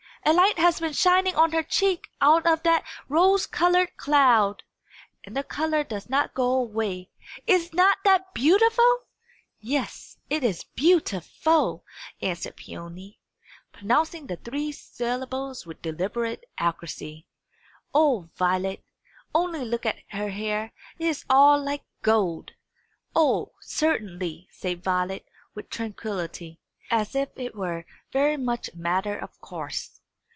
A light has been shining on her cheek out of that rose coloured cloud! and the colour does not go away! Is not that beautiful!" "Yes; it is beau ti ful," answered Peony, pronouncing the three syllables with deliberate accuracy. "O Violet, only look at her hair! It is all like gold!" "O, certainly," said Violet, with tranquillity, as if it were very much a matter of course.